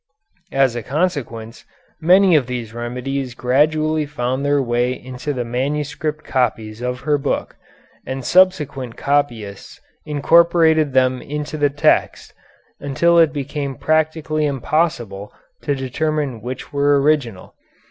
As a consequence, many of these remedies gradually found their way into the manuscript copies of her book, and subsequent copyists incorporated them into the text, until it became practically impossible to determine which were original.